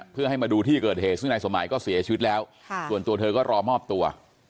เพื่อให้มาดูที่เกิดเหตุซึ่งนายสมหมายก็เสียชีวิตแล้วส่วนตัวเธอก็รอมอบตัว